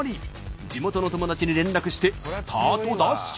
地元の友達に連絡してスタートダッシュ！